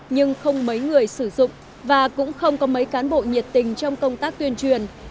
nhưng không mấy người sử dụng và cũng không có mấy cán bộ nhiệt tình trong công tác tuyên truyền